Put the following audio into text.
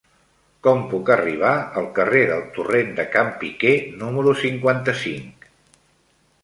Com puc arribar al carrer del Torrent de Can Piquer número cinquanta-cinc?